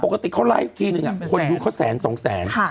ปกติเขาไลฟ์ทีนึงคนดูเขาแสนสองแสน